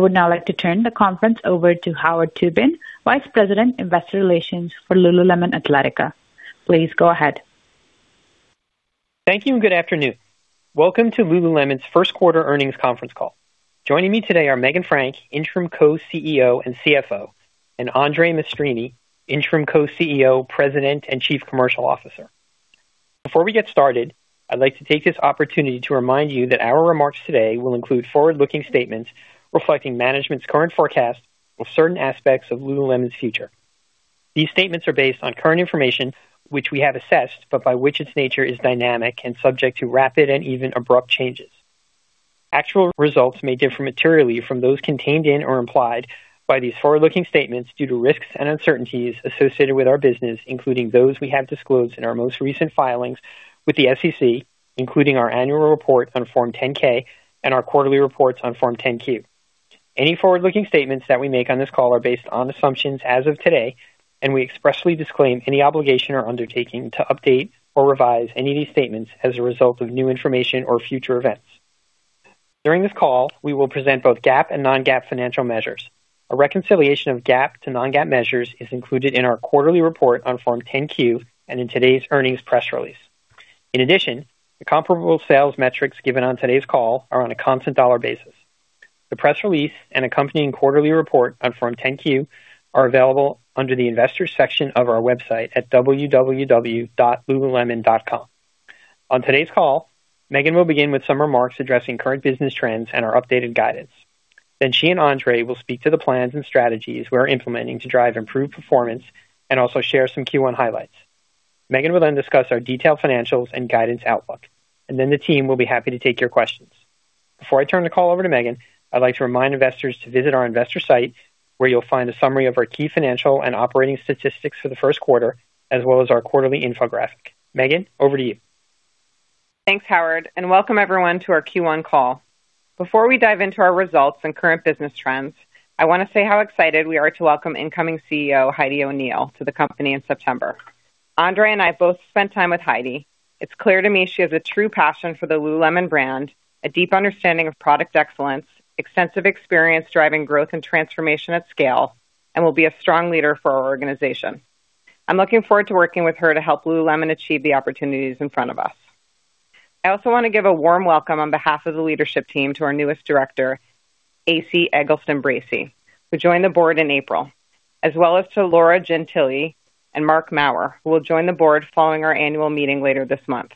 I would now like to turn the conference over to Howard Tubin, Vice President, Investor Relations for Lululemon Athletica. Please go ahead. Thank you, and good afternoon. Welcome to Lululemon's Q1 earnings conference call. Joining me today are Meghan Frank, interim co-CEO and CFO, and André Maestrini, interim co-CEO, President, and Chief Commercial Officer. Before we get started, I'd like to take this opportunity to remind you that our remarks today will include forward-looking statements reflecting management's current forecast on certain aspects of Lululemon's future. These statements are based on current information, which we have assessed, but by which its nature is dynamic and subject to rapid and even abrupt changes. Actual results may differ materially from those contained in or implied by these forward-looking statements due to risks and uncertainties associated with our business, including those we have disclosed in our most recent filings with the SEC, including our annual report on Form 10-K and our quarterly reports on Form 10-Q. Any forward-looking statements that we make on this call are based on assumptions as of today, and we expressly disclaim any obligation or undertaking to update or revise any of these statements as a result of new information or future events. During this call, we will present both GAAP and non-GAAP financial measures. A reconciliation of GAAP to non-GAAP measures is included in our quarterly report on Form 10-Q and in today's earnings press release. In addition, the comparable sales metrics given on today's call are on a constant dollar basis. The press release and accompanying quarterly report on Form 10-Q are available under the Investors section of our website at www.lululemon.com. On today's call, Meghan will begin with some remarks addressing current business trends and our updated guidance. She and André will speak to the plans and strategies we're implementing to drive improved performance and also share some Q1 highlights. Meghan will then discuss our detailed financials and guidance outlook, and then the team will be happy to take your questions. Before I turn the call over to Meghan, I'd like to remind investors to visit our investor site, where you'll find a summary of our key financial and operating statistics for the Q1, as well as our quarterly infographic. Meghan, over to you. Thanks, Howard. Welcome everyone to our Q1 call. Before we dive into our results and current business trends, I want to say how excited we are to welcome incoming CEO Heidi O'Neill to the company in September. André and I both spent time with Heidi. It's clear to me she has a true passion for the Lululemon brand, a deep understanding of product excellence, extensive experience driving growth and transformation at scale, and will be a strong leader for our organization. I'm looking forward to working with her to help Lululemon achieve the opportunities in front of us. I also want to give a warm welcome on behalf of the leadership team to our newest Director, Esi Eggleston Bracey, who joined the board in April, as well as to Laura Gentile and Marc Maurer, who will join the board following our annual meeting later this month.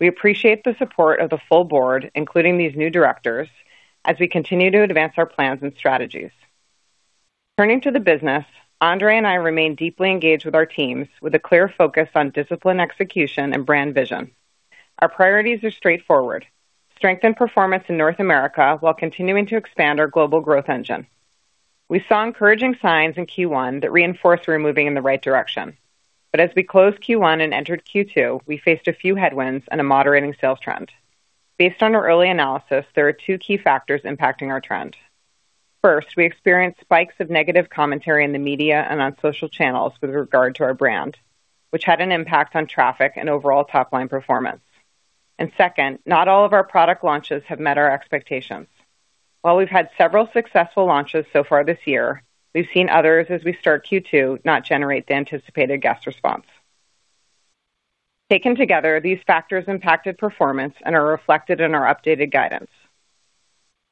We appreciate the support of the full board, including these new directors, as we continue to advance our plans and strategies. Turning to the business, André and I remain deeply engaged with our teams with a clear focus on discipline, execution, and brand vision. Our priorities are straightforward. Strengthen performance in North America while continuing to expand our global growth engine. We saw encouraging signs in Q1 that reinforce we're moving in the right direction. As we closed Q1 and entered Q2, we faced a few headwinds and a moderating sales trend. Based on our early analysis, there are two key factors impacting our trend. First, we experienced spikes of negative commentary in the media and on social channels with regard to our brand, which had an impact on traffic and overall top-line performance. Second, not all of our product launches have met our expectations. While we've had several successful launches so far this year, we've seen others as we start Q2 not generate the anticipated guest response. Taken together, these factors impacted performance and are reflected in our updated guidance.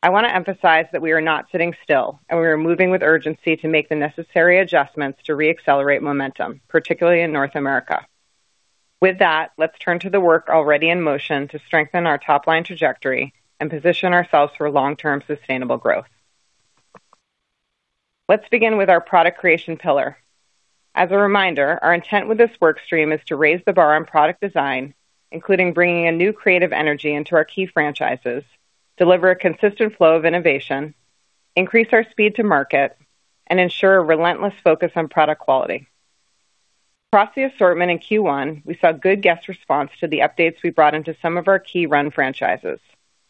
I want to emphasize that we are not sitting still, and we are moving with urgency to make the necessary adjustments to re-accelerate momentum, particularly in North America. With that, let's turn to the work already in motion to strengthen our top-line trajectory and position ourselves for long-term sustainable growth. Let's begin with our product creation pillar. As a reminder, our intent with this workstream is to raise the bar on product design, including bringing a new creative energy into our key franchises, deliver a consistent flow of innovation, increase our speed to market, and ensure a relentless focus on product quality. Across the assortment in Q1, we saw good guest response to the updates we brought into some of our key run franchises,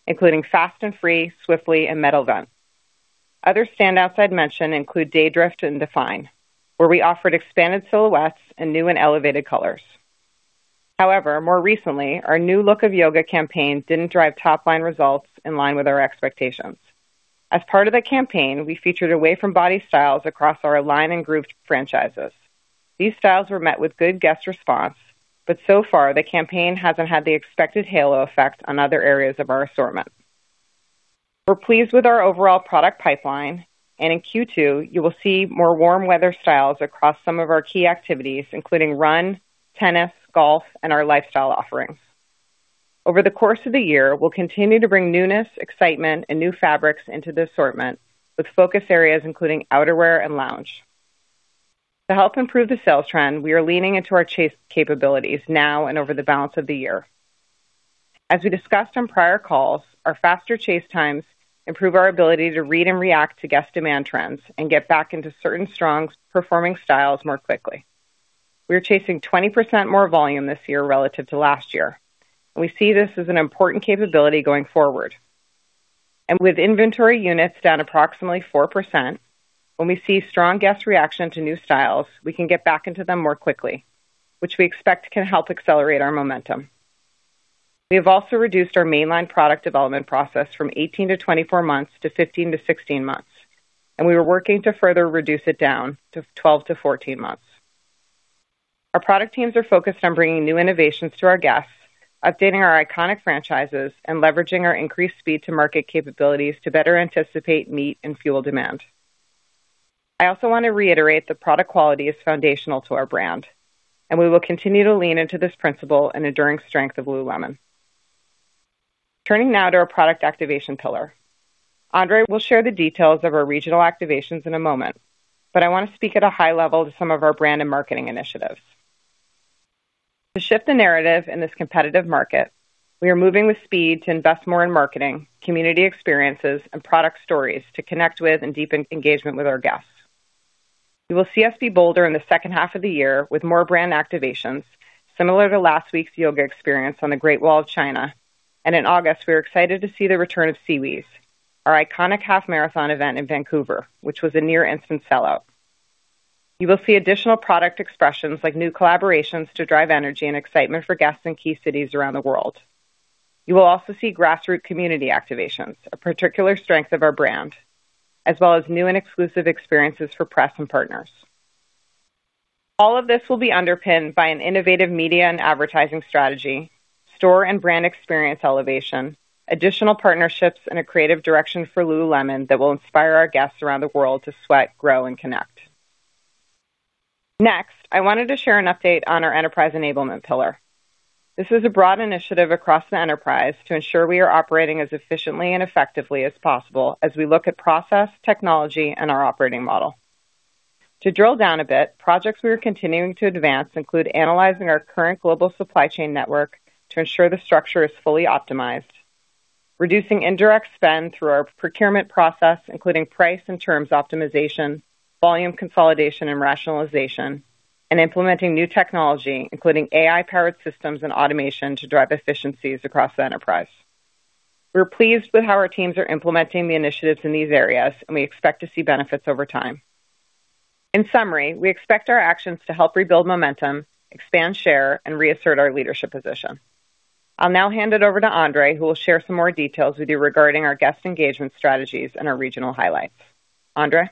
including Fast and Free, Swiftly, and Metal Vent. Other standouts I'd mention include Daydrift and Define, where we offered expanded silhouettes and new and elevated colors. However, more recently, our new look of yoga campaign didn't drive top-line results in line with our expectations. As part of that campaign, we featured away-from-body styles across our Align and Groove franchises. These styles were met with good guest response, but so far, the campaign hasn't had the expected halo effect on other areas of our assortment. We're pleased with our overall product pipeline, and in Q2, you will see more warm weather styles across some of our key activities, including run, tennis, golf, and our lifestyle offerings. Over the course of the year, we'll continue to bring newness, excitement, and new fabrics into the assortment with focus areas including outerwear and lounge. To help improve the sales trend, we are leaning into our chase capabilities now and over the balance of the year. As we discussed on prior calls, our faster chase times improve our ability to read and react to guest demand trends and get back into certain strong-performing styles more quickly. We are chasing 20% more volume this year relative to last year, and we see this as an important capability going forward. With inventory units down approximately 4%, when we see strong guest reaction to new styles, we can get back into them more quickly, which we expect can help accelerate our momentum. We have also reduced our mainline product development process from 18-24 months to 15-16 months, and we are working to further reduce it down to 12-14 months. Our product teams are focused on bringing new innovations to our guests, updating our iconic franchises, and leveraging our increased speed to market capabilities to better anticipate, meet, and fuel demand. I also want to reiterate that product quality is foundational to our brand, and we will continue to lean into this principle and enduring strength of Lululemon. Turning now to our product activation pillar. André will share the details of our regional activations in a moment. I want to speak at a high level to some of our brand and marketing initiatives. To shift the narrative in this competitive market, we are moving with speed to invest more in marketing, community experiences, and product stories to connect with and deepen engagement with our guests. You will see us be bolder in the second half of the year with more brand activations, similar to last week's yoga experience on the Great Wall of China. In August, we are excited to see the return of SeaWheeze, our iconic half-marathon event in Vancouver, which was a near instant sellout. You will see additional product expressions like new collaborations to drive energy and excitement for guests in key cities around the world. You will also see grassroots community activations, a particular strength of our brand, as well as new and exclusive experiences for press and partners. All of this will be underpinned by an innovative media and advertising strategy, store and brand experience elevation, additional partnerships, and a creative direction for Lululemon that will inspire our guests around the world to sweat, grow, and connect. I wanted to share an update on our enterprise enablement pillar. This is a broad initiative across the enterprise to ensure we are operating as efficiently and effectively as possible as we look at process, technology, and our operating model. To drill down a bit, projects we are continuing to advance include analyzing our current global supply chain network to ensure the structure is fully optimized. Reducing indirect spend through our procurement process, including price and terms optimization, volume consolidation and rationalization, and implementing new technology, including AI-powered systems and automation to drive efficiencies across the enterprise. We're pleased with how our teams are implementing the initiatives in these areas, and we expect to see benefits over time. In summary, we expect our actions to help rebuild momentum, expand share, and reassert our leadership position. I'll now hand it over to André, who will share some more details with you regarding our guest engagement strategies and our regional highlights. André?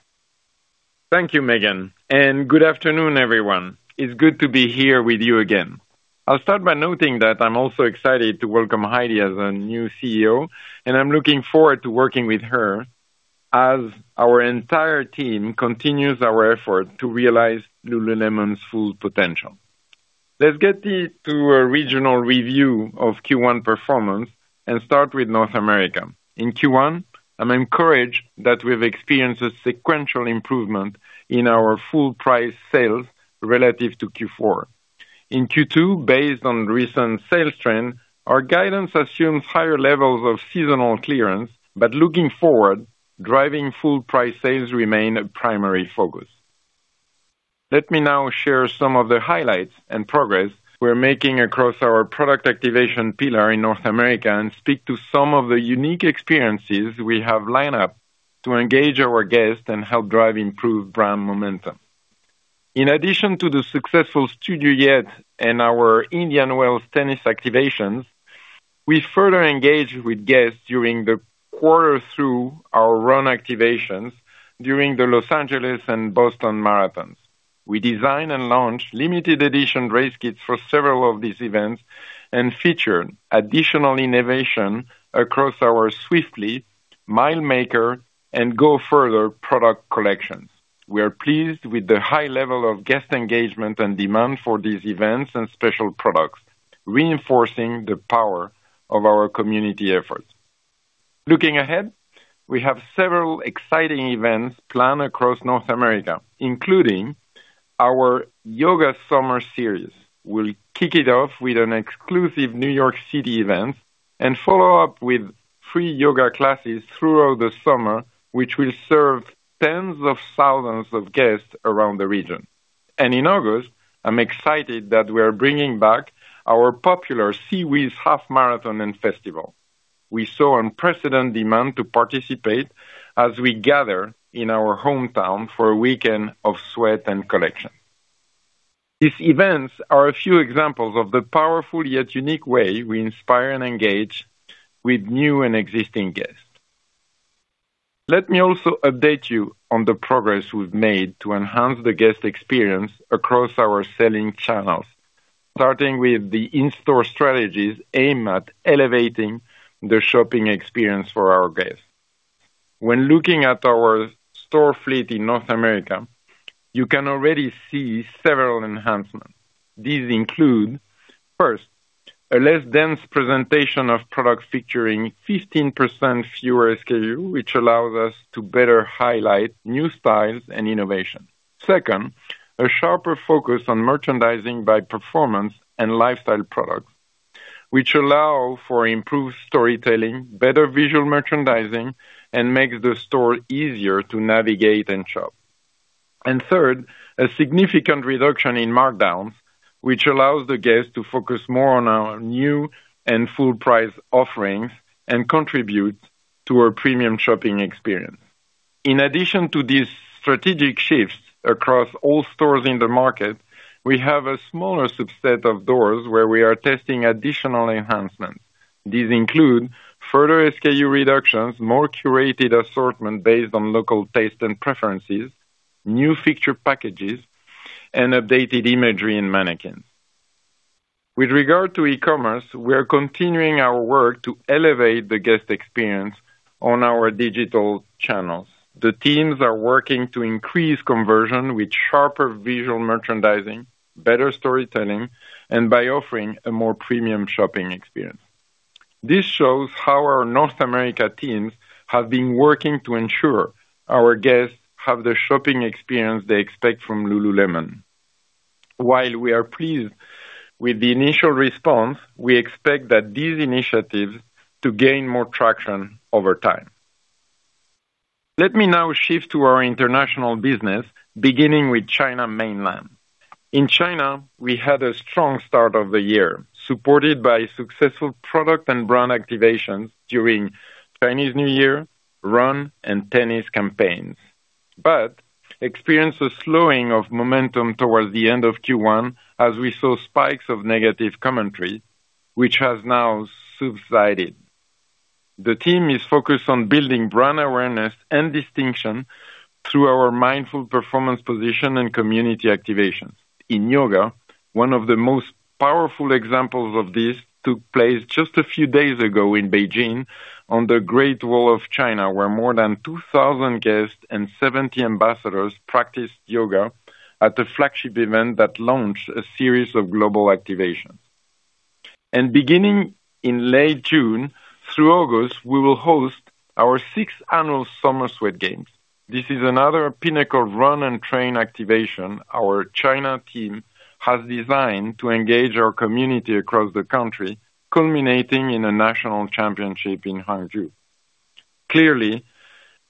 Thank you, Meghan. Good afternoon, everyone. It's good to be here with you again. I'll start by noting that I'm also excited to welcome Heidi as our new CEO, and I'm looking forward to working with her as our entire team continues our effort to realize Lululemon's full potential. Let's get to a regional review of Q1 performance and start with North America. In Q1, I'm encouraged that we've experienced a sequential improvement in our full price sales relative to Q4. In Q2, based on recent sales trends, our guidance assumes higher levels of seasonal clearance, but looking forward, driving full price sales remain a primary focus. Let me now share some of the highlights and progress we're making across our product activation pillar in North America and speak to some of the unique experiences we have lined up to engage our guests and help drive improved brand momentum. In addition to the successful Studio Yet and our Indian Wells tennis activations, we further engaged with guests during the quarter through our run activations during the Los Angeles and Boston marathons. We designed and launched limited edition race kits for several of these events and featured additional innovation across our Swiftly, Mile Maker, and Go Further product collections. We are pleased with the high level of guest engagement and demand for these events and special products, reinforcing the power of our community efforts. Looking ahead, we have several exciting events planned across North America, including our yoga summer series. We'll kick it off with an exclusive New York City event and follow up with free yoga classes throughout the summer, which will serve tens of thousands of guests around the region. In August, I'm excited that we are bringing back our popular SeaWheeze Half Marathon and Festival. We saw unprecedented demand to participate as we gather in our hometown for a weekend of sweat and connection. These events are a few examples of the powerful yet unique way we inspire and engage with new and existing guests. Let me also update you on the progress we've made to enhance the guest experience across our selling channels, starting with the in-store strategies aimed at elevating the shopping experience for our guests. When looking at our store fleet in North America, you can already see several enhancements. These include, first, a less dense presentation of products featuring 15% fewer SKU, which allows us to better highlight new styles and innovation. Second, a sharper focus on merchandising by performance and lifestyle products, which allow for improved storytelling, better visual merchandising, and make the store easier to navigate and shop. Third, a significant reduction in markdowns, which allows the guest to focus more on our new and full price offerings and contribute to our premium shopping experience. In addition to these strategic shifts across all stores in the market, we have a smaller subset of doors where we are testing additional enhancements. These include further SKU reductions, more curated assortment based on local taste and preferences, new fixture packages, and updated imagery and mannequins. With regard to e-commerce, we are continuing our work to elevate the guest experience on our digital channels. The teams are working to increase conversion with sharper visual merchandising, better storytelling, and by offering a more premium shopping experience. This shows how our North America teams have been working to ensure our guests have the shopping experience they expect from Lululemon. While we are pleased with the initial response, we expect that these initiatives to gain more traction over time. Let me now shift to our international business, beginning with China Mainland. In China, we had a strong start of the year, supported by successful product and brand activations during Chinese New Year run and tennis campaigns. Experienced a slowing of momentum towards the end of Q1 as we saw spikes of negative commentary, which has now subsided. The team is focused on building brand awareness and distinction through our mindful performance position and community activation. In yoga, one of the most powerful examples of this took place just a few days ago in Beijing on the Great Wall of China, where more than 2,000 guests and 70 ambassadors practiced yoga at the flagship event that launched a series of global activations. Beginning in late June through August, we will host our sixth annual Summer Sweat Games. This is another pinnacle run and train activation our China team has designed to engage our community across the country, culminating in a national championship in Hangzhou. Clearly,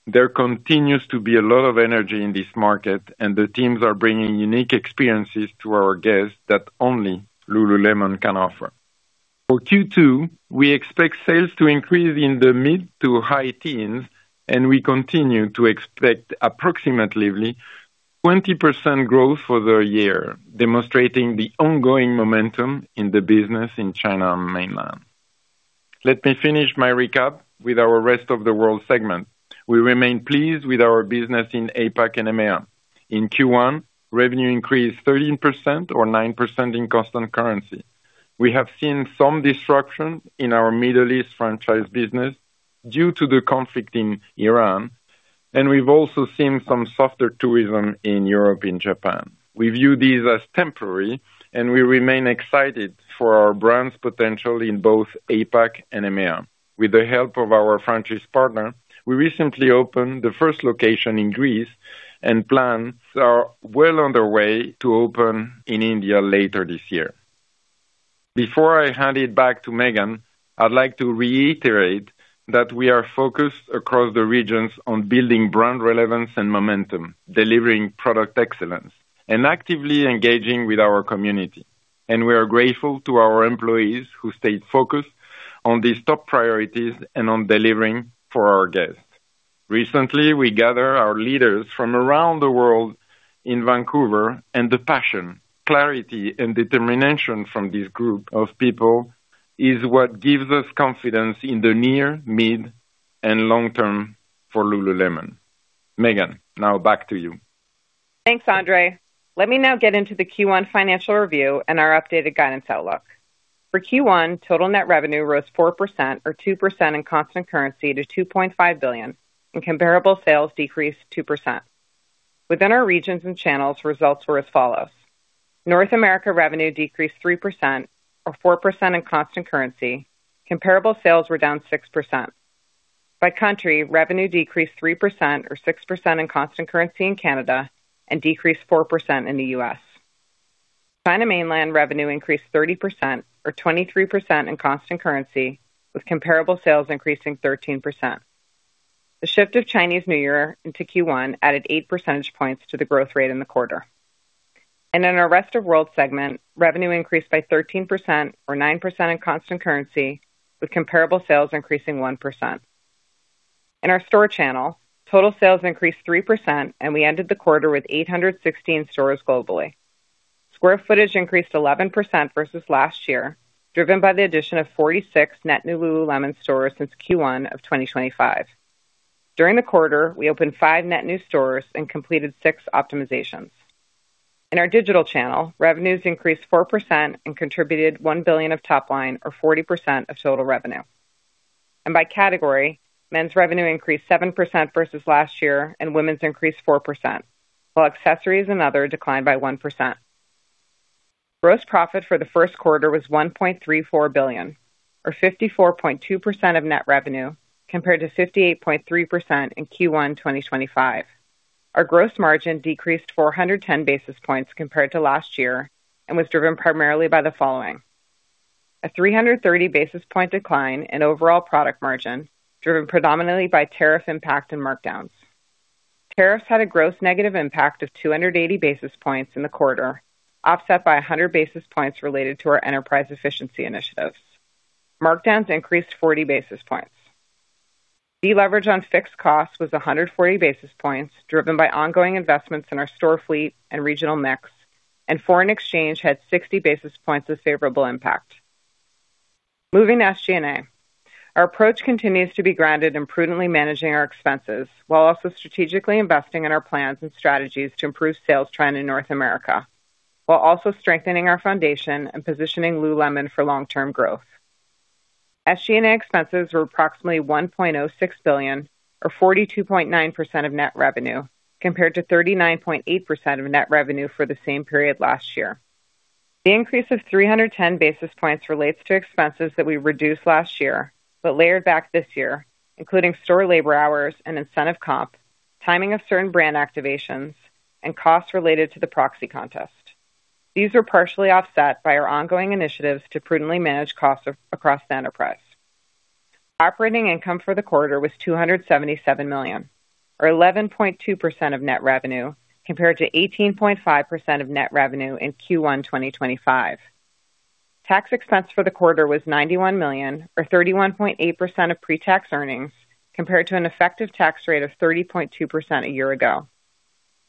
there continues to be a lot of energy in this market, and the teams are bringing unique experiences to our guests that only Lululemon can offer. For Q2, we expect sales to increase in the mid to high teens, and we continue to expect approximately 20% growth for the year, demonstrating the ongoing momentum in the business in China Mainland. Let me finish my recap with our rest of the world segment. We remain pleased with our business in APAC and EMEA. In Q1, revenue increased 13% or 9% in constant currency. We have seen some disruption in our Middle East franchise business due to the conflict in Iran, and we've also seen some softer tourism in Europe and Japan. We view these as temporary, and we remain excited for our brand's potential in both APAC and EMEA. With the help of our franchise partner, we recently opened the first location in Greece and plans are well underway to open in India later this year. Before I hand it back to Meghan, I'd like to reiterate that we are focused across the regions on building brand relevance and momentum, delivering product excellence, and actively engaging with our community. We are grateful to our employees who stayed focused on these top priorities and on delivering for our guests. Recently, we gather our leaders from around the world in Vancouver, and the passion, clarity, and determination from this group of people is what gives us confidence in the near, mid, and long term for Lululemon. Meghan, now back to you. Thanks, André. Let me now get into the Q1 financial review and our updated guidance outlook. For Q1, total net revenue rose 4% or 2% in constant currency to $2.5 billion, and comparable sales decreased 2%. Within our regions and channels, results were as follows: North America revenue decreased 3% or 4% in constant currency. Comparable sales were down 6%. By country, revenue decreased 3% or 6% in constant currency in Canada, and decreased 4% in the U.S. China Mainland revenue increased 30% or 23% in constant currency, with comparable sales increasing 13%. The shift of Chinese New Year into Q1 added eight percentage points to the growth rate in the quarter. In our rest of world segment, revenue increased by 13% or 9% in constant currency, with comparable sales increasing 1%. In our store channel, total sales increased 3%, and we ended the quarter with 816 stores globally. Square footage increased 11% versus last year, driven by the addition of 46 net new Lululemon stores since Q1 of 2025. During the quarter, we opened five net new stores and completed six optimizations. In our digital channel, revenues increased 4% and contributed $1 billion of top line or 40% of total revenue. By category, men's revenue increased 7% versus last year and women's increased 4%, while accessories and other declined by 1%. Gross profit for the Q1 was $1.34 billion or 54.2% of net revenue, compared to 58.3% in Q1 2025. Our gross margin decreased 410 basis points compared to last year and was driven primarily by the following. A 330 basis point decline in overall product margin, driven predominantly by tariff impact and markdowns. Tariffs had a gross negative impact of 280 basis points in the quarter, offset by 100 basis points related to our enterprise efficiency initiatives. Markdowns increased 40 basis points. Deleveraged on fixed costs was 140 basis points, driven by ongoing investments in our store fleet and regional mix, and foreign exchange had 60 basis points of favorable impact. Moving to SG&A. Our approach continues to be grounded in prudently managing our expenses while also strategically investing in our plans and strategies to improve sales trend in North America, while also strengthening our foundation and positioning Lululemon for long-term growth. SG&A expenses were approximately $1.06 billion or 42.9% of net revenue, compared to 39.8% of net revenue for the same period last year. The increase of 310 basis points relates to expenses that we reduced last year, but layered back this year, including store labor hours and incentive comp, timing of certain brand activations, and costs related to the proxy contest. These were partially offset by our ongoing initiatives to prudently manage costs across the enterprise. Operating income for the quarter was $277 million, or 11.2% of net revenue, compared to 18.5% of net revenue in Q1 2025. Tax expense for the quarter was $91 million, or 31.8% of pre-tax earnings, compared to an effective tax rate of 30.2% a year ago.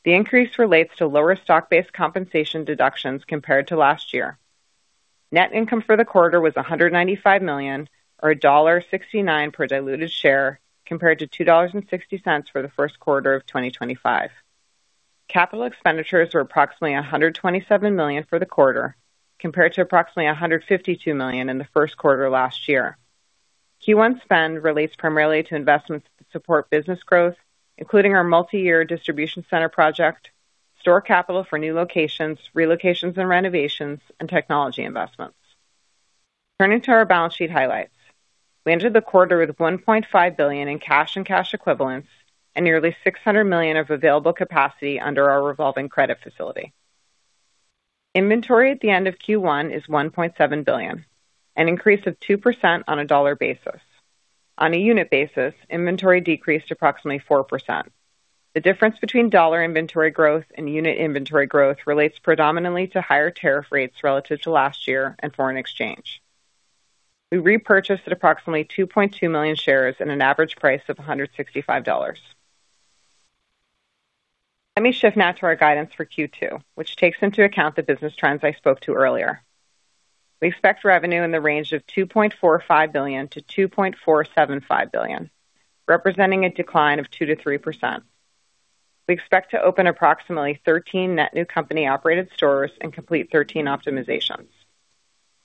The increase relates to lower stock-based compensation deductions compared to last year. Net income for the quarter was $195 million, or $1.69 per diluted share, compared to $2.60 for the Q1 of 2025. Capital expenditures were approximately $127 million for the quarter, compared to approximately $152 million in the Q1 last year. Q1 spend relates primarily to investments to support business growth, including our multi-year distribution center project, store capital for new locations, relocations and renovations, and technology investments. Turning to our balance sheet highlights. We entered the quarter with $1.5 billion in cash and cash equivalents and nearly $600 million of available capacity under our revolving credit facility. Inventory at the end of Q1 is $1.7 billion, an increase of 2% on a dollar basis. On a unit basis, inventory decreased approximately 4%. The difference between dollar inventory growth and unit inventory growth relates predominantly to higher tariff rates relative to last year and foreign exchange. We repurchased approximately 2.2 million shares at an average price of $165. Let me shift now to our guidance for Q2, which takes into account the business trends I spoke to earlier. We expect revenue in the range of $2.45 billion-$2.475 billion, representing a decline of 2%-3%. We expect to open approximately 13 net new company operated stores and complete 13 optimizations.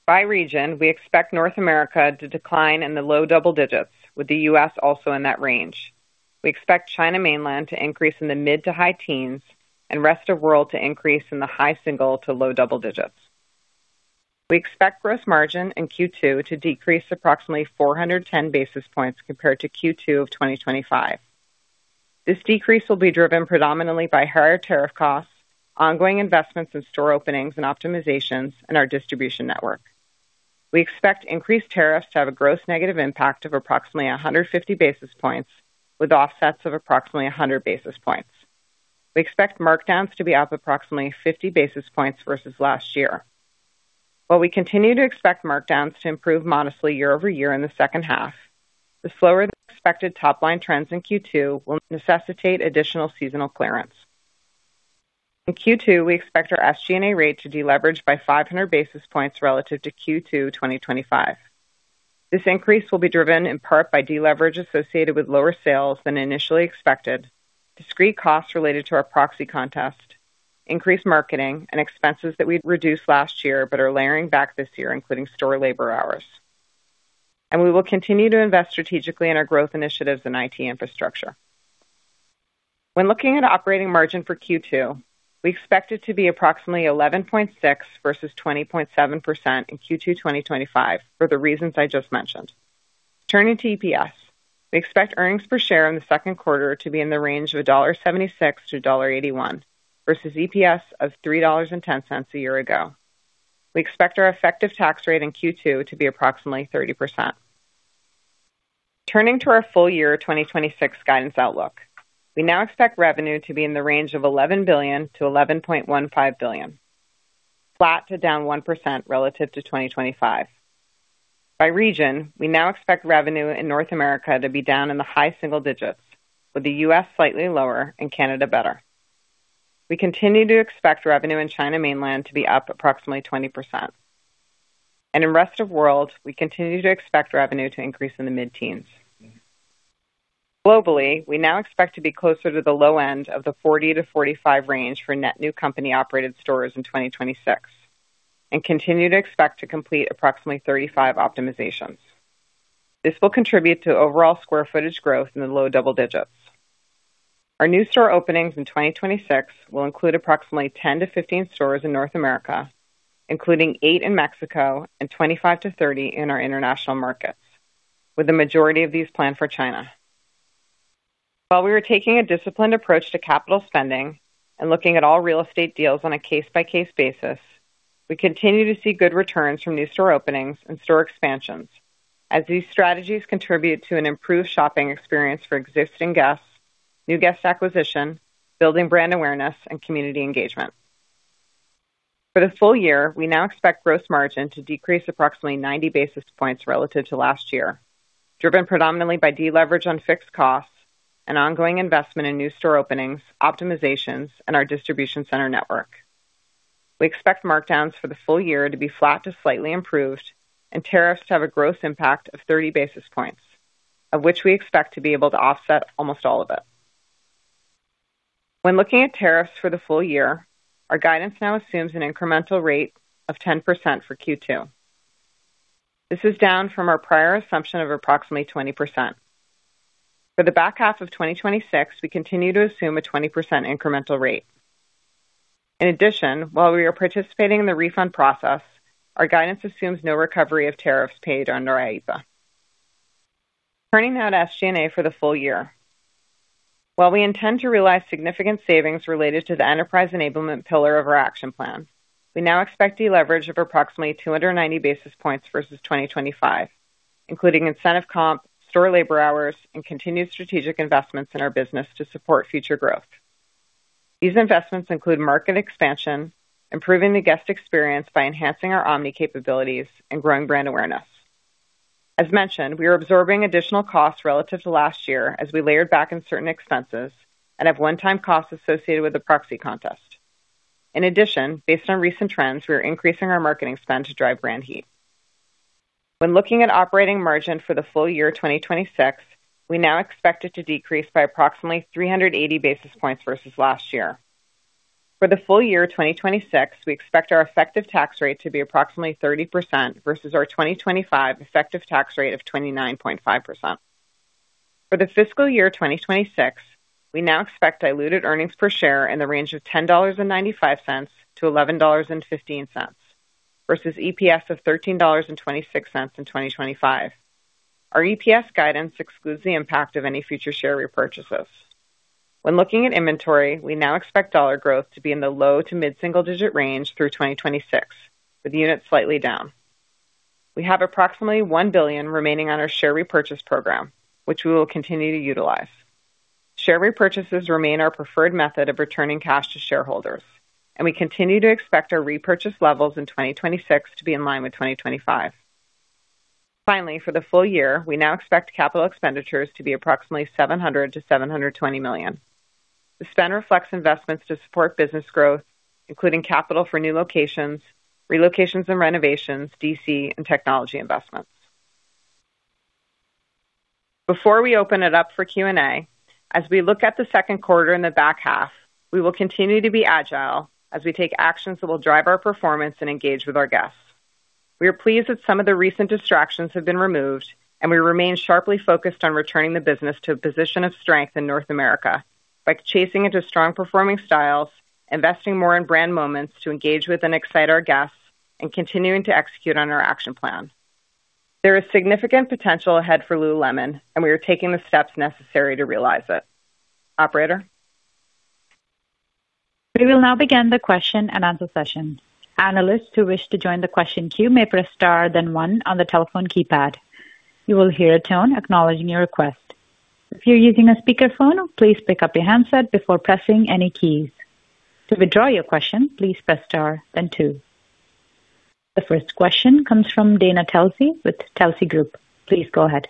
By region, we expect North America to decline in the low double digits with the U.S. also in that range. We expect China mainland to increase in the mid to high teens and rest of world to increase in the high single to low double digits. We expect gross margin in Q2 to decrease approximately 410 basis points compared to Q2 of 2025. This decrease will be driven predominantly by higher tariff costs, ongoing investments in store openings and optimizations in our distribution network. We expect increased tariffs to have a gross negative impact of approximately 150 basis points, with offsets of approximately 100 basis points. We expect markdowns to be up approximately 50 basis points versus last year. While we continue to expect markdowns to improve modestly year-over-year in the second half, the slower than expected top-line trends in Q2 will necessitate additional seasonal clearance. In Q2, we expect our SG&A rate to deleverage by 500 basis points relative to Q2 2025. This increase will be driven in part by deleverage associated with lower sales than initially expected, discrete costs related to our proxy contest, increased marketing, and expenses that we had reduced last year but are layering back this year, including store labor hours. We will continue to invest strategically in our growth initiatives and IT infrastructure. When looking at operating margin for Q2, we expect it to be approximately 11.6% versus 20.7% in Q2 2025 for the reasons I just mentioned. Turning to EPS, we expect earnings per share in the Q2 to be in the range of $1.76-$1.81 versus EPS of $3.10 a year ago. We expect our effective tax rate in Q2 to be approximately 30%. Turning to our full year 2026 guidance outlook. We now expect revenue to be in the range of $11 billion-$11.15 billion, flat to down 1% relative to 2025. By region, we now expect revenue in North America to be down in the high single digits, with the U.S. slightly lower and Canada better. We continue to expect revenue in China mainland to be up approximately 20%. In rest of world, we continue to expect revenue to increase in the mid-teens. Globally, we now expect to be closer to the low end of the 40-45 range for net new company operated stores in 2026 and continue to expect to complete approximately 35 optimizations. This will contribute to overall square footage growth in the low double digits. Our new store openings in 2026 will include approximately 10-15 stores in North America, including eight in Mexico and 25-30 in our international markets, with the majority of these planned for China. While we are taking a disciplined approach to capital spending and looking at all real estate deals on a case-by-case basis, we continue to see good returns from new store openings and store expansions as these strategies contribute to an improved shopping experience for existing guests, new guest acquisition, building brand awareness, and community engagement. For the full year, we now expect gross margin to decrease approximately 90 basis points relative to last year, driven predominantly by deleverage on fixed costs and ongoing investment in new store openings, optimizations, and our distribution center network. We expect markdowns for the full year to be flat to slightly improved and tariffs to have a gross impact of 30 basis points, of which we expect to be able to offset almost all of it. When looking at tariffs for the full year, our guidance now assumes an incremental rate of 10% for Q2. This is down from our prior assumption of approximately 20%. For the back half of 2026, we continue to assume a 20% incremental rate. While we are participating in the refund process, our guidance assumes no recovery of tariffs paid under IEPA. Turning now to SG&A for the full year. While we intend to realize significant savings related to the enterprise enablement pillar of our action plan, we now expect deleverage of approximately 290 basis points versus 2025, including incentive comp, store labor hours, and continued strategic investments in our business to support future growth. These investments include market expansion, improving the guest experience by enhancing our omni capabilities, and growing brand awareness. As mentioned, we are absorbing additional costs relative to last year as we layered back on certain expenses and have one-time costs associated with the proxy contest. In addition, based on recent trends, we are increasing our marketing spend to drive brand heat. When looking at operating margin for the full year 2026, we now expect it to decrease by approximately 380 basis points versus last year. For the full year 2026, we expect our effective tax rate to be approximately 30% versus our 2025 effective tax rate of 29.5%. For the fiscal year 2026, we now expect diluted earnings per share in the range of $10.95-$11.15 versus EPS of $13.26 in 2025. Our EPS guidance excludes the impact of any future share repurchases. When looking at inventory, we now expect dollar growth to be in the low to mid-single digit range through 2026, with units slightly down. We have approximately $1 billion remaining on our share repurchase program, which we will continue to utilize. Share repurchases remain our preferred method of returning cash to shareholders, and we continue to expect our repurchase levels in 2026 to be in line with 2025. Finally, for the full year, we now expect capital expenditures to be approximately $700 million-$720 million. The spend reflects investments to support business growth, including capital for new locations, relocations and renovations, DC and technology investments. Before we open it up for Q&A, as we look at the Q2 and the back half, we will continue to be agile as we take actions that will drive our performance and engage with our guests. We are pleased that some of the recent distractions have been removed, and we remain sharply focused on returning the business to a position of strength in North America by chasing into strong performing styles, investing more in brand moments to engage with and excite our guests, and continuing to execute on our action plan. There is significant potential ahead for Lululemon, and we are taking the steps necessary to realize it. Operator. We will now begin the question and answer session. Analysts who wish to join the question queue may press star then one on the telephone keypad. You will hear a tone acknowledging your request. If you're using a speakerphone, please pick up your handset before pressing any keys. To withdraw your question, please press star then two. The first question comes from Dana Telsey with Telsey Group. Please go ahead.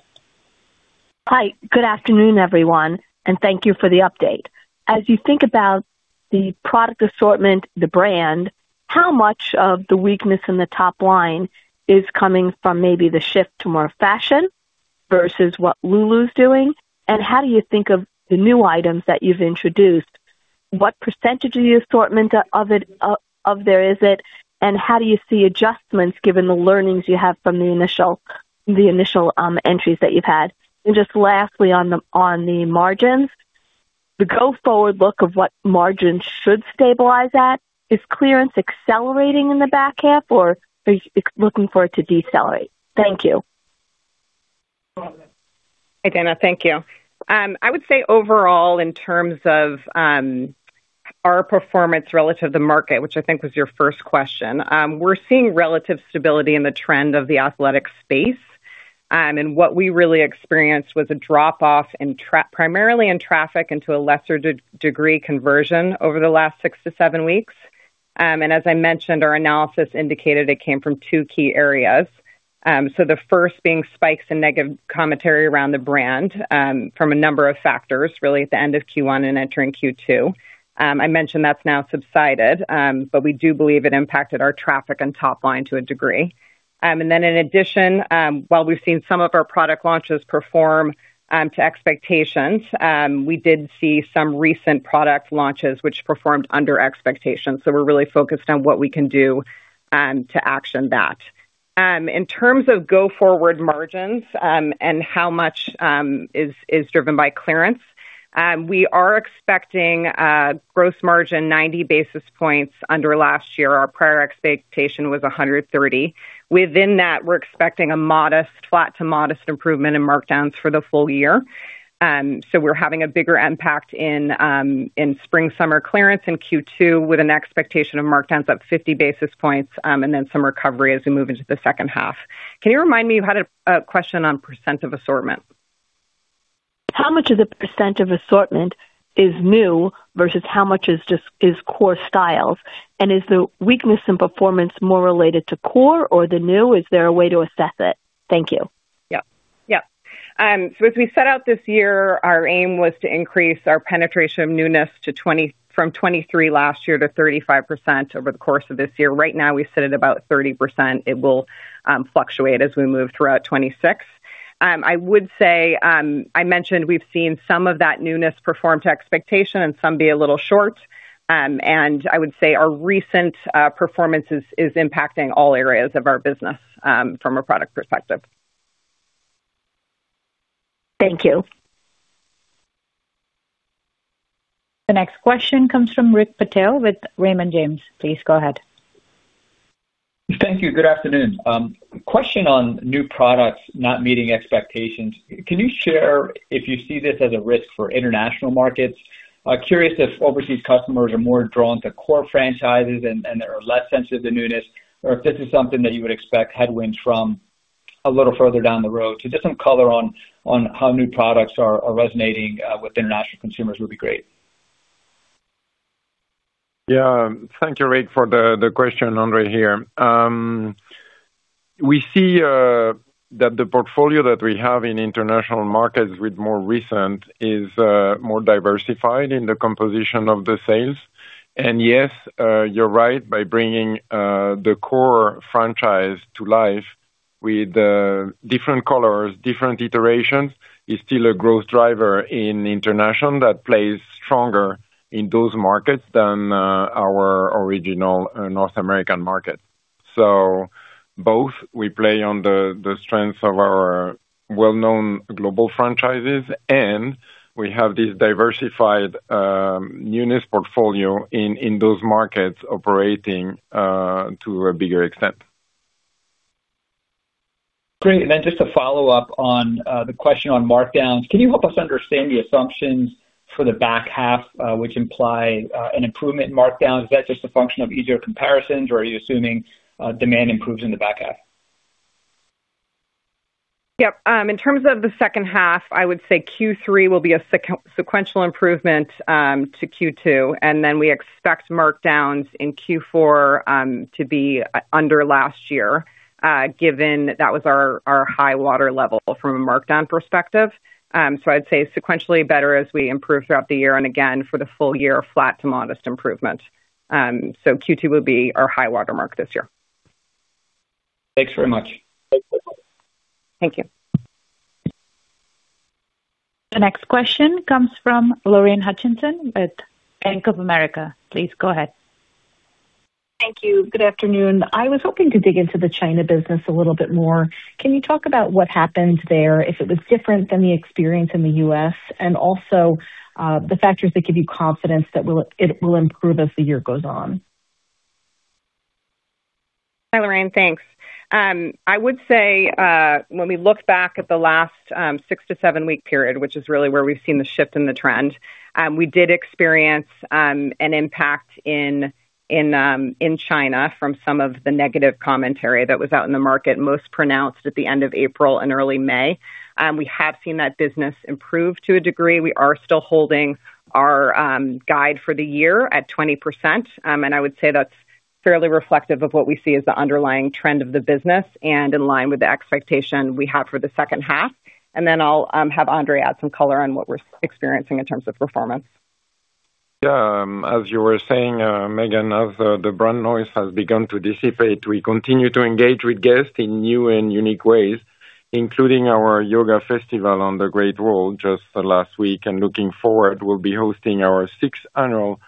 Hi. Good afternoon, everyone, and thank you for the update. As you think about the product assortment, the brand, how much of the weakness in the top line is coming from maybe the shift to more fashion versus what Lululemon's doing? How do you think of the new items that you've introduced? What percentage of the assortment of there is it? How do you see adjustments given the learnings you have from the initial entries that you've had? Just lastly on the margins, the go forward look of what margins should stabilize at, is clearance accelerating in the back half, or are you looking for it to decelerate? Thank you. Hey, Dana. Thank you. I would say overall, in terms of our performance relative to market, which I think was your first question, we're seeing relative stability in the trend of the athletic space. What we really experienced was a drop-off primarily in traffic and to a lesser degree, conversion over the last six to seven weeks. As I mentioned, our analysis indicated it came from two key areas. The first being spikes in negative commentary around the brand, from a number of factors, really at the end of Q1 and entering Q2. I mentioned that's now subsided. We do believe it impacted our traffic and top line to a degree. In addition, while we've seen some of our product launches perform to expectations, we did see some recent product launches which performed under expectations. We're really focused on what we can do to action that. In terms of go forward margins, and how much is driven by clearance, we are expecting gross margin 90 basis points under last year. Our prior expectation was 130. Within that, we're expecting a modest flat to modest improvement in markdowns for the full year. We're having a bigger impact in spring summer clearance in Q2 with an expectation of markdowns up 50 basis points, and then some recovery as we move into the second half. Can you remind me, you had a question on percent of assortment? How much of the % of assortment is new versus how much is core styles? Is the weakness in performance more related to core or the new? Is there a way to assess it? Thank you. Yep. As we set out this year, our aim was to increase our penetration of newness from 23 last year to 35% over the course of this year. Right now, we sit at about 30%. It will fluctuate as we move throughout 2026. I would say, I mentioned we've seen some of that newness perform to expectation and some be a little short. I would say our recent performance is impacting all areas of our business, from a product perspective. Thank you. The next question comes from Rick Patel with Raymond James. Please go ahead. Thank you. Good afternoon. Question on new products not meeting expectations. Can you share if you see this as a risk for international markets? Curious if overseas customers are more drawn to core franchises and they are less sensitive to newness, or if this is something that you would expect headwinds from a little further down the road. Just some color on how new products are resonating with international consumers would be great. Yeah. Thank you, Rick, for the question. André here. We see that the portfolio that we have in international markets with more recent is more diversified in the composition of the sales. Yes, you're right, By bringing the core franchise to life with different colors, different iterations, is still a growth driver in international that plays stronger in those markets than our original North American market. Both, we play on the strength of our well-known global franchises, and we have this diversified newness portfolio in those markets operating to a bigger extent. Great. Just to follow up on the question on markdowns. Can you help us understand the assumptions for the back half, which imply an improvement in markdown? Is that just a function of easier comparisons or are you assuming demand improves in the back half? Yep. In terms of the second half, I would say Q3 will be a sequential improvement to Q2, and then we expect markdowns in Q4 to be under last year, given that was our high water level from a markdown perspective. I'd say sequentially better as we improve throughout the year, and again, for the full year, flat to modest improvement. Q2 will be our high water mark this year. Thanks very much. Thank you. The next question comes from Lorraine Hutchinson with Bank of America. Please go ahead. Thank you. Good afternoon. I was hoping to dig into the China business a little bit more. Can you talk about what happened there, if it was different than the experience in the U.S., and also the factors that give you confidence that it will improve as the year goes on? Hi, Lorraine. Thanks. I would say, when we look back at the last six to seven-week period, which is really where we've seen the shift in the trend, we did experience an impact in China from some of the negative commentary that was out in the market, most pronounced at the end of April and early May. We have seen that business improve to a degree. We are still holding our guide for the year at 20%. I would say that's fairly reflective of what we see as the underlying trend of the business and in line with the expectation we have for the second half. I'll have André add some color on what we're experiencing in terms of performance. As you were saying, Meghan, as the brand noise has begun to dissipate, we continue to engage with guests in new and unique ways, including our yoga festival on the Great Wall just last week. Looking forward, we'll be hosting our sixth annual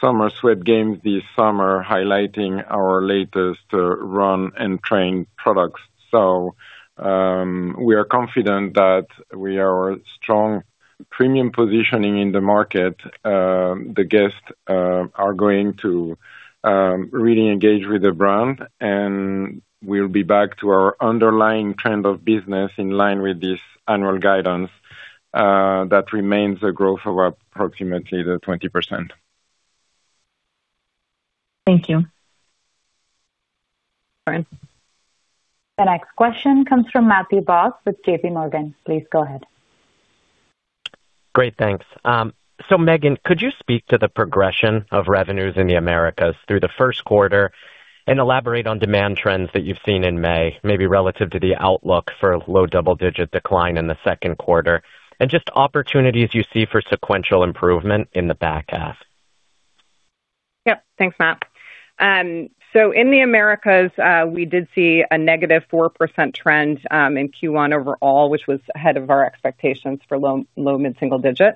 Summer Sweat Games this summer, highlighting our latest run and train products. We are confident that we are strong premium positioning in the market. The guests are going to really engage with the brand, we'll be back to our underlying trend of business in line with this annual guidance that remains a growth of approximately the 20%. Thank you. All right. The next question comes from Matthew Boss with JPMorgan. Please go ahead. Great. Thanks. Meghan, could you speak to the progression of revenues in the Americas through the Q1 and elaborate on demand trends that you've seen in May, maybe relative to the outlook for low double-digit decline in the Q2, and just opportunities you see for sequential improvement in the back half? Yep. Thanks, Matthew. In the Americas, we did see a -4% trend in Q1 overall, which was ahead of our expectations for low mid-single digit.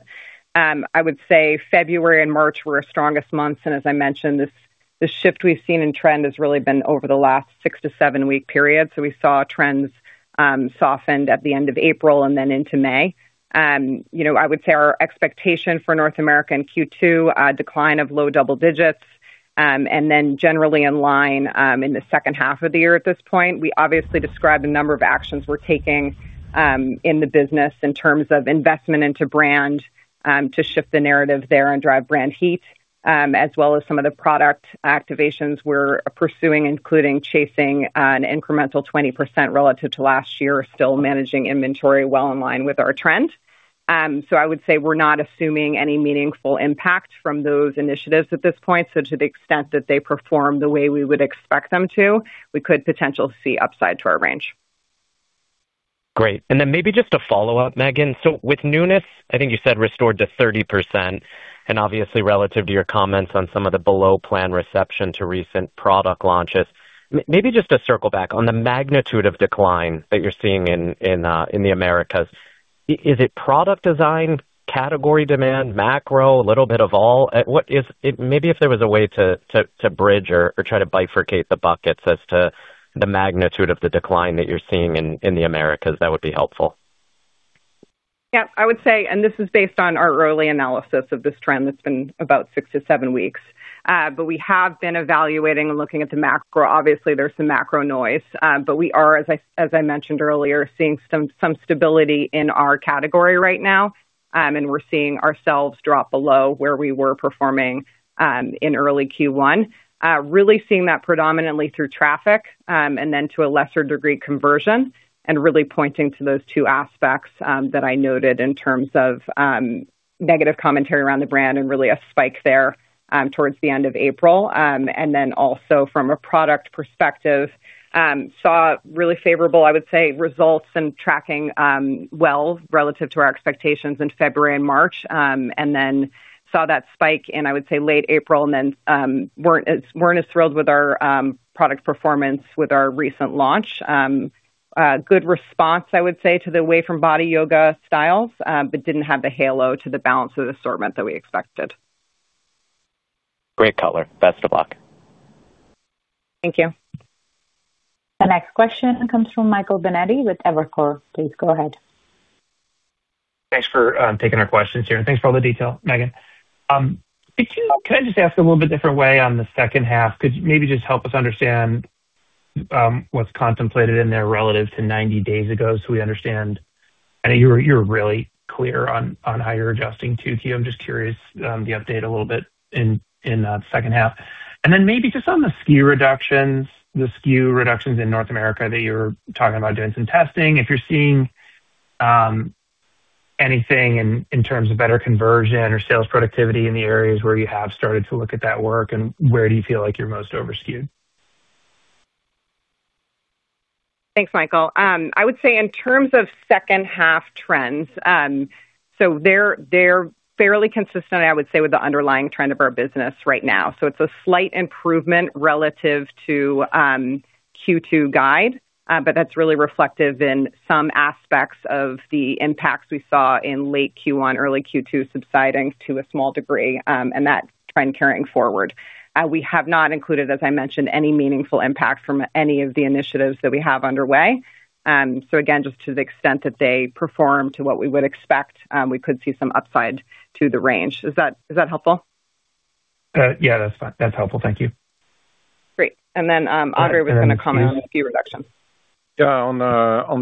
I would say February and March were our strongest months, and as I mentioned, the shift we've seen in trend has really been over the last six to seven-week period. We saw trends softened at the end of April and then into May. I would say our expectation for North America in Q2, a decline of low double digits, and then generally in line in the second half of the year at this point. We obviously described the number of actions we're taking in the business in terms of investment into brand to shift the narrative there and drive brand heat, as well as some of the product activations we're pursuing, including chasing an incremental 20% relative to last year. Still managing inventory well in line with our trend. I would say we're not assuming any meaningful impact from those initiatives at this point. To the extent that they perform the way we would expect them to, we could potentially see upside to our range. Great. Maybe just a follow-up, Meghan. With newness, I think you said restored to 30%, and obviously relative to your comments on some of the below-plan reception to recent product launches. Maybe just to circle back on the magnitude of decline that you're seeing in the Americas. Is it product design, category demand, macro, a little bit of all? Maybe if there was a way to bridge or try to bifurcate the buckets as to the magnitude of the decline that you're seeing in the Americas, that would be helpful. Yeah. I would say, this is based on our early analysis of this trend that's been about six to seven weeks. We have been evaluating and looking at the macro. Obviously, there's some macro noise. We are, as I mentioned earlier, seeing some stability in our category right now. We're seeing ourselves drop below where we were performing, in early Q1. Really seeing that predominantly through traffic, and then to a lesser degree, conversion, and really pointing to those two aspects that I noted in terms of negative commentary around the brand and really a spike there towards the end of April. Also from a product perspective, saw really favorable, I would say, results and tracking well relative to our expectations in February and March. Then saw that spike in, I would say, late April, and then weren't as thrilled with our product performance with our recent launch. Good response, I would say, to the away-from-body yoga styles, didn't have the halo to the balance of the assortment that we expected. Great color. Best of luck. Thank you. The next question comes from Michael Binetti with Evercore. Please go ahead. Thanks for taking our questions here. Thanks for all the detail, Meghan. Can I just ask a little bit different way on the second half? Could you maybe just help us understand what's contemplated in there relative to 90 days ago so we understand? I know you're really clear on how you're adjusting 2Q. I'm just curious the update a little bit in the second half. Then maybe just on the SKU reductions in North America that you were talking about doing some testing, if you're seeing anything in terms of better conversion or sales productivity in the areas where you have started to look at that work, and where do you feel like you're most over-SKUed? Thanks, Michael. I would say in terms of second half trends, they're fairly consistent, I would say, with the underlying trend of our business right now. It's a slight improvement relative to Q2 guide. That's really reflective in some aspects of the impacts we saw in late Q1, early Q2 subsiding to a small degree, and that trend carrying forward. We have not included, as I mentioned, any meaningful impact from any of the initiatives that we have underway. Again, just to the extent that they perform to what we would expect, we could see some upside to the range. Is that helpful? Yeah, that's helpful. Thank you. Great. André was going to comment on the SKU reduction. Yeah, on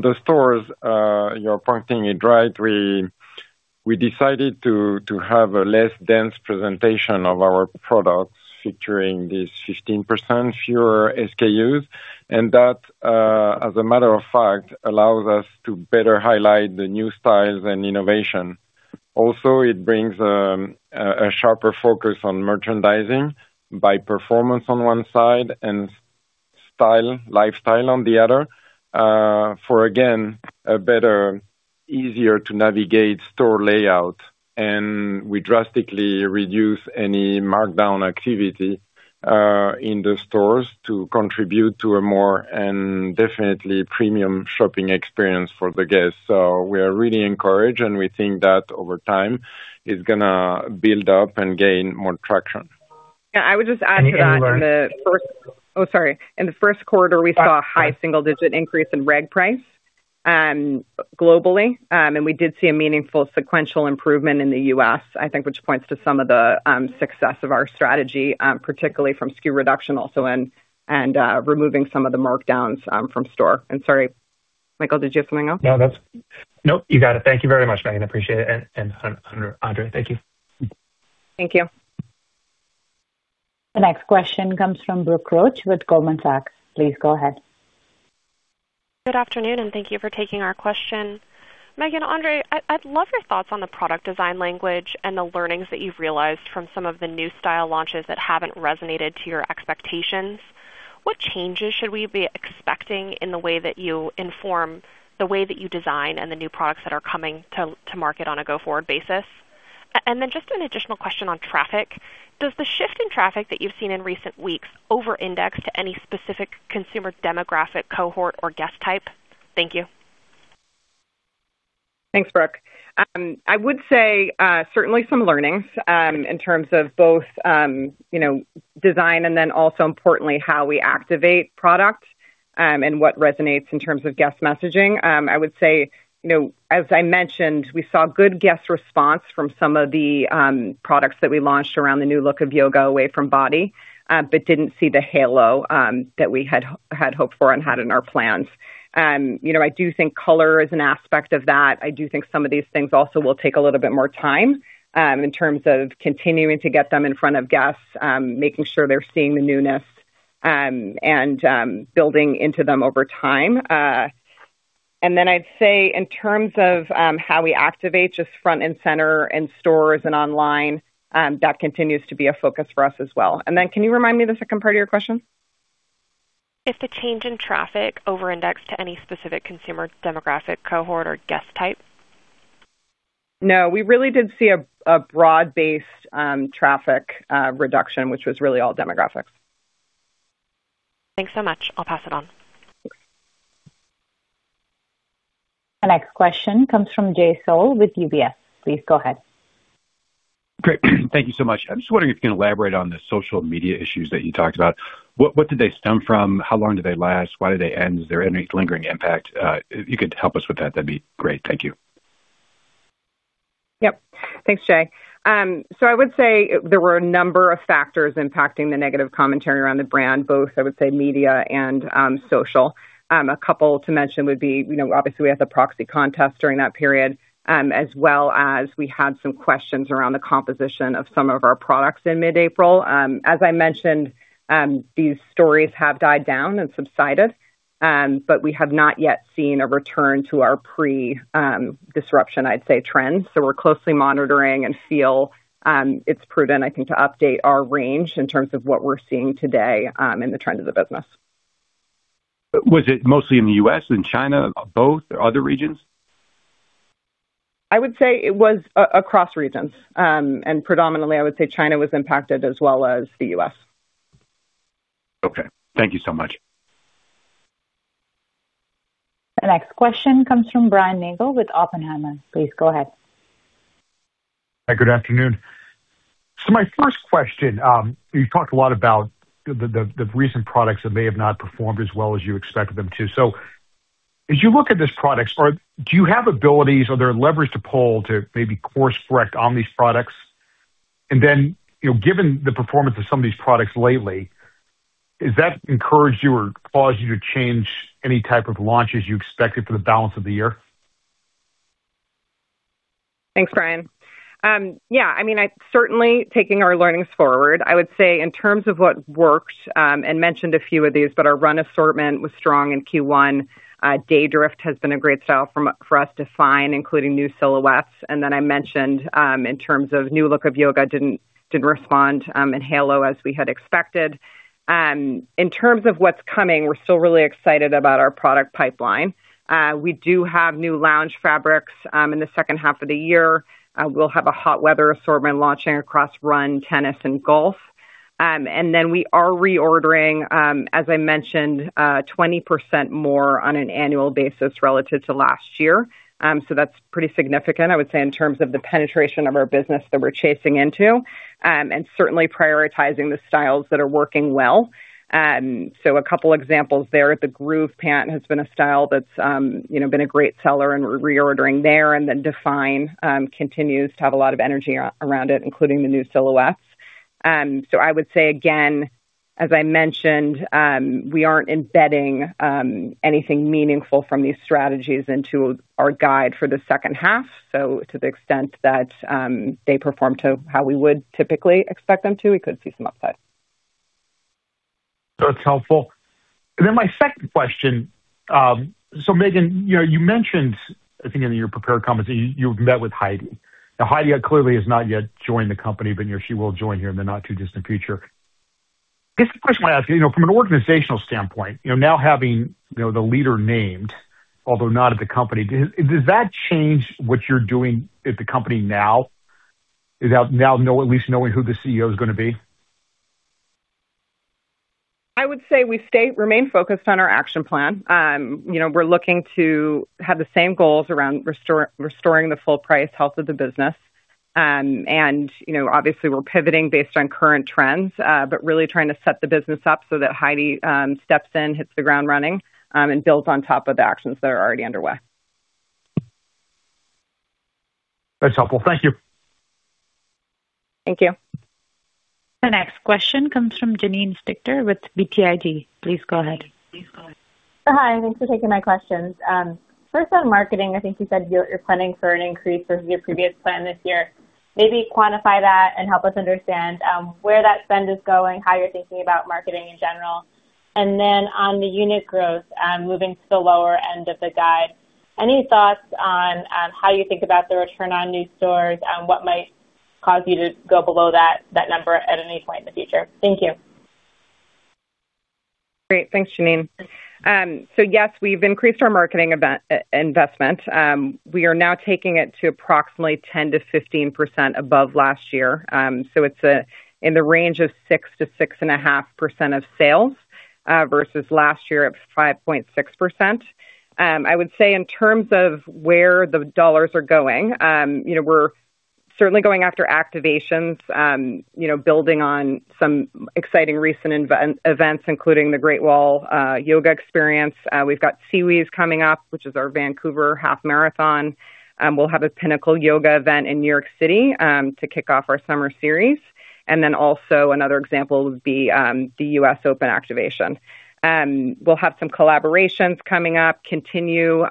the stores, you're pointing it right. We decided to have a less dense presentation of our products featuring these 15% fewer SKUs. That, as a matter of fact, allows us to better highlight the new styles and innovation. Also, it brings a sharper focus on merchandising by performance on one side and lifestyle on the other for, again, a better, easier-to-navigate store layout. We drastically reduce any markdown activity in the stores to contribute to a more and definitely premium shopping experience for the guests. We are really encouraged, and we think that over time it's going to build up and gain more traction. Yeah, I would just add to that in the first Oh, sorry. In the Q1, we saw a high single-digit increase in reg price globally. We did see a meaningful sequential improvement in the U.S., I think, which points to some of the success of our strategy, particularly from SKU reduction also, and removing some of the markdowns from store. Sorry, Michael, did you have something else? No, you got it. Thank you very much, Meghan, appreciate it. André, thank you. Thank you. The next question comes from Brooke Roach with Goldman Sachs. Please go ahead. Good afternoon. Thank you for taking our question. Meghan, André, I'd love your thoughts on the product design language and the learnings that you've realized from some of the new style launches that haven't resonated to your expectations. What changes should we be expecting in the way that you inform the way that you design and the new products that are coming to market on a go-forward basis? Just an additional question on traffic. Does the shift in traffic that you've seen in recent weeks over-index to any specific consumer demographic cohort or guest type? Thank you. Thanks, Brooke. I would say, certainly some learnings, in terms of both design and then also importantly, how we activate product, and what resonates in terms of guest messaging. I would say, as I mentioned, we saw good guest response from some of the products that we launched around the new look of yoga away from body, but didn't see the halo that we had hoped for and had in our plans. I do think color is an aspect of that. I do think some of these things also will take a little bit more time in terms of continuing to get them in front of guests, making sure they're seeing the newness, and building into them over time. I'd say in terms of how we activate just front and center in stores and online, that continues to be a focus for us as well. Can you remind me of the second part of your question? If the change in traffic over-indexed to any specific consumer demographic cohort or guest type? No. We really did see a broad-based traffic reduction, which was really all demographics. Thanks so much. I'll pass it on. Thanks. The next question comes from Jay Sole with UBS. Please go ahead. Great. Thank you so much. I'm just wondering if you can elaborate on the social media issues that you talked about. What did they stem from? How long did they last? Why did they end? Is there any lingering impact? If you could help us with that'd be great. Thank you. Yep. Thanks, Jay. I would say there were a number of factors impacting the negative commentary around the brand, both I would say media and social. A couple to mention would be, obviously, we had the proxy contest during that period, as well as we had some questions around the composition of some of our products in mid-April. As I mentioned, these stories have died down and subsided, but we have not yet seen a return to our pre-disruption, I'd say, trends. We're closely monitoring and feel it's prudent, I think, to update our range in terms of what we're seeing today in the trend of the business. Was it mostly in the U.S., in China, both, or other regions? I would say it was across regions. Predominantly, I would say China was impacted as well as the U.S. Okay. Thank you so much. The next question comes from Brian Nagel with Oppenheimer. Please go ahead. Hi, good afternoon. My first question. You talked a lot about the recent products that may have not performed as well as you expected them to. As you look at these products, do you have abilities, are there levers to pull to maybe course correct on these products? Then, given the performance of some of these products lately, has that encouraged you or caused you to change any type of launches you expected for the balance of the year? Thanks, Brian. Yeah, certainly taking our learnings forward. I would say in terms of what works, and mentioned a few of these, but our run assortment was strong in Q1. Daydrift has been a great style for us to find, including new silhouettes. I mentioned in terms of new look of yoga didn't respond in halo as we had expected. In terms of what's coming, we're still really excited about our product pipeline. We do have new lounge fabrics in the H2 of the year. We'll have a hot weather assortment launching across run, tennis, and golf. We are reordering, as I mentioned, 20% more on an annual basis relative to last year. That's pretty significant, I would say, in terms of the penetration of our business that we're chasing into. Certainly prioritizing the styles that are working well. A couple examples there. The Groove pant has been a style that's been a great seller and reordering there. Define continues to have a lot of energy around it, including the new silhouettes. I would say again, as I mentioned, we aren't embedding anything meaningful from these strategies into our guide for the second half. To the extent that they perform to how we would typically expect them to, we could see some upside. That's helpful. My second question. Meghan, you mentioned, I think in your prepared comments, that you met with Heidi. Heidi clearly has not yet joined the company, but she will join here in the not too distant future. I guess the question I ask you, from an organizational standpoint, now having the leader named, although not at the company, does that change what you're doing at the company now, at least knowing who the CEO is going to be? I would say we remain focused on our action plan. We're looking to have the same goals around restoring the full price health of the business. Obviously we're pivoting based on current trends. Really trying to set the business up so that Heidi steps in, hits the ground running, and builds on top of the actions that are already underway. That's helpful. Thank you. Thank you. The next question comes from Janine Stichter with BTIG. Please go ahead. Hi, thanks for taking my questions. First on marketing, you said you're planning for an increase over your previous plan this year. Quantify that and help us understand where that spend is going, how you're thinking about marketing in general. On the unit growth, moving to the lower end of the guide. Any thoughts on how you think about the return on new stores and what might cause you to go below that number at any point in the future? Thank you. Great. Thanks, Janine. Yes, we've increased our marketing investment. We are now taking it to approximately 10%-15% above last year. It's in the range of 6%-6.5% of sales versus last year at 5.6%. I would say in terms of where the dollars are going, we're certainly going after activations, building on some exciting recent events, including the Great Wall yoga experience. We've got SeaWheeze coming up, which is our Vancouver half marathon. We'll have a pinnacle yoga event in New York City to kick off our summer series. Then also another example would be the US Open activation. We'll have some collaborations coming up, continue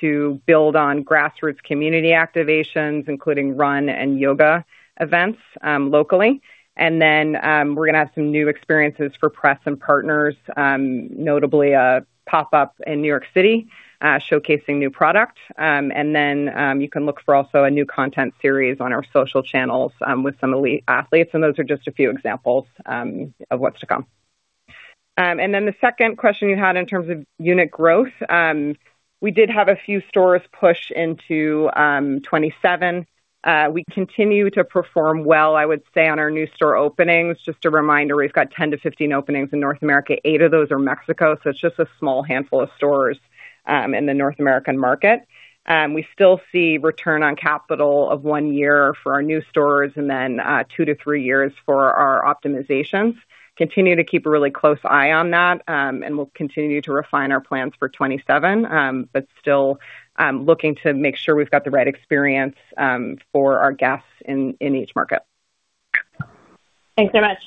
to build on grassroots community activations, including run and yoga events locally. Then we're going to have some new experiences for press and partners, notably a pop-up in New York City showcasing new product. You can look for also a new content series on our social channels with some elite athletes, and those are just a few examples of what's to come. The second question you had in terms of unit growth. We did have a few stores push into 2027. We continue to perform well, I would say, on our new store openings. Just a reminder, we've got 10-15 openings in North America. Eight of those are Mexico, so it's just a small handful of stores in the North American market. We still see return on capital of one year for our new stores and then two to three years for our optimizations. Continue to keep a really close eye on that, and we'll continue to refine our plans for 2027, but still looking to make sure we've got the right experience for our guests in each market. Thanks so much.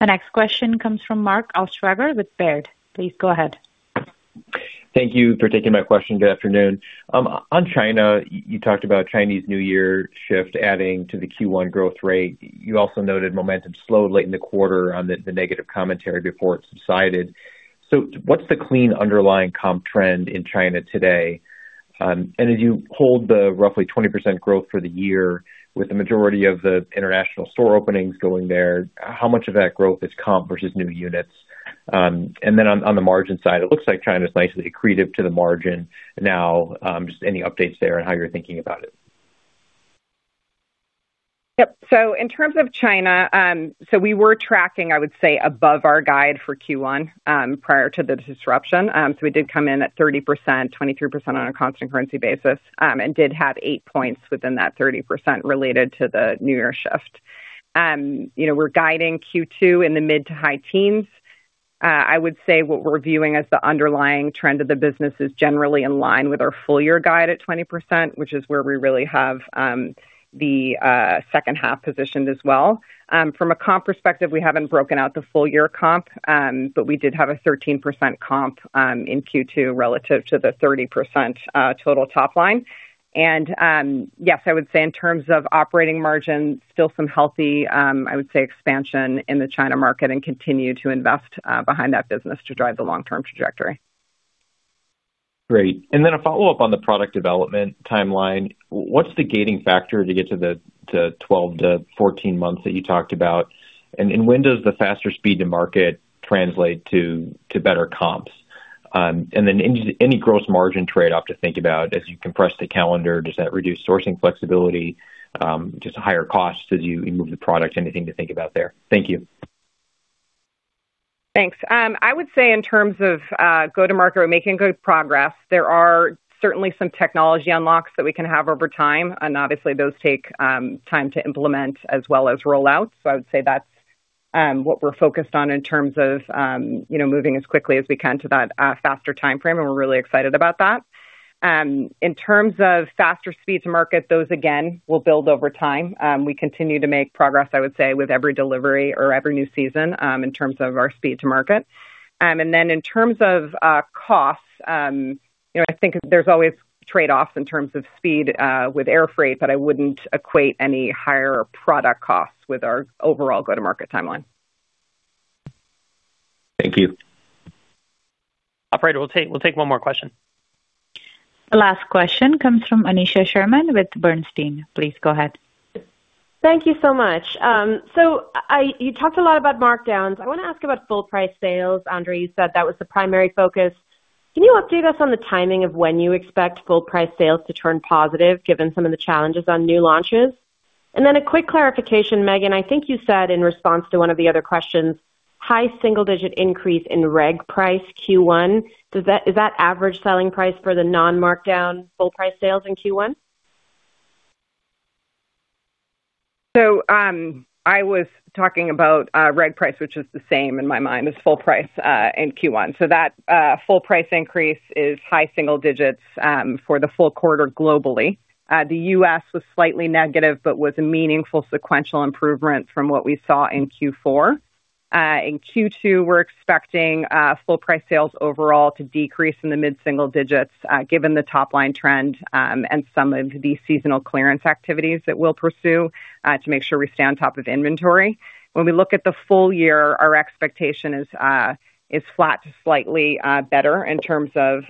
The next question comes from Mark Altschwager with Baird. Please go ahead. Thank you for taking my question. Good afternoon. On China, you talked about Chinese New Year shift adding to the Q1 growth rate. You also noted momentum slowed late in the quarter on the negative commentary before it subsided. What's the clean underlying comp trend in China today? As you hold the roughly 20% growth for the year with the majority of the international store openings going there, how much of that growth is comp versus new units? On the margin side, it looks like China's nicely accretive to the margin now. Just any updates there on how you're thinking about it? Yep. In terms of China, we were tracking, I would say, above our guide for Q1, prior to the disruption. We did come in at 30%, 23% on a constant currency basis, and did have 8 points within that 30% related to the new year shift. We're guiding Q2 in the mid to high teens. I would say what we're viewing as the underlying trend of the business is generally in line with our full-year guide at 20%, which is where we really have the second half positioned as well. From a comp perspective, we haven't broken out the full-year comp, we did have a 13% comp in Q2 relative to the 30% total top line. Yes, I would say in terms of operating margin, still some healthy, I would say, expansion in the China market and continue to invest behind that business to drive the long-term trajectory. Great. Then a follow-up on the product development timeline. What's the gating factor to get to the to 12-14 months that you talked about? When does the faster speed to market translate to better comps? Then any gross margin trade-off to think about as you compress the calendar? Does that reduce sourcing flexibility? Just higher costs as you move the product? Anything to think about there? Thank you. Thanks. I would say in terms of go-to-market, we're making good progress. There are certainly some technology unlocks that we can have over time, obviously those take time to implement as well as roll out. I would say that's what we're focused on in terms of moving as quickly as we can to that faster timeframe, and we're really excited about that. In terms of faster speed to market, those again will build over time. We continue to make progress, I would say, with every delivery or every new season, in terms of our speed to market. Then in terms of costs, I think there's always trade-offs in terms of speed with air freight, but I wouldn't equate any higher product costs with our overall go-to-market timeline. Thank you. Operator, we'll take one more question. The last question comes from Aneesha Sherman with Bernstein. Please go ahead. Thank you so much. You talked a lot about markdowns. I want to ask about full price sales. André, you said that was the primary focus. Can you update us on the timing of when you expect full price sales to turn positive given some of the challenges on new launches? A quick clarification, Meghan. I think you said in response to one of the other questions, high single-digit increase in reg price Q1. Is that average selling price for the non-markdown full price sales in Q1? I was talking about, reg price, which is the same in my mind as full price, in Q1. That full price increase is high single digits for the full quarter globally. The U.S. was slightly negative but was a meaningful sequential improvement from what we saw in Q4. In Q2, we're expecting full price sales overall to decrease in the mid single digits, given the top-line trend, and some of the seasonal clearance activities that we'll pursue to make sure we stay on top of inventory. When we look at the full year, our expectation is flat to slightly better in terms of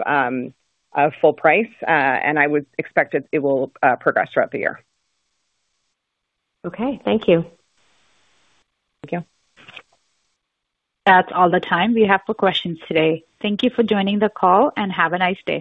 full price. I would expect that it will progress throughout the year. Okay. Thank you. Thank you. That's all the time we have for questions today. Thank you for joining the call, and have a nice day.